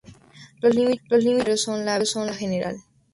Los límites del barrio son la Avda. Gral.